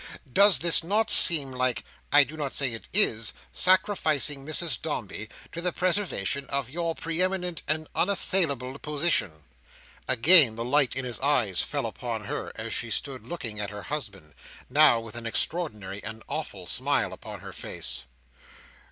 Does this not seem like—I do not say it is—sacrificing Mrs Dombey to the preservation of your preeminent and unassailable position?" Again the light in his eyes fell upon her, as she stood looking at her husband: now with an extraordinary and awful smile upon her face.